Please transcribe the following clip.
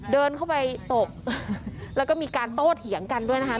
เดินเข้าไปตบแล้วก็มีการโต้เถียงกันด้วยนะคะ